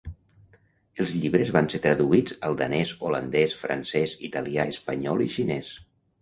Els llibres van ser traduïts al danès, holandès, francès, italià, espanyol i xinès.